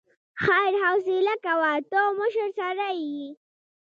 خير حوصله کوه، ته مشر سړی يې.